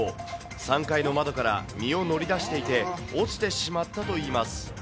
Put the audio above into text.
３階の窓から身を乗り出していて、落ちてしまったといいます。